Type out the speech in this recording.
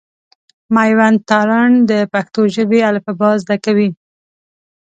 مېوند تارڼ د پښتو ژبي الفبا زده کوي.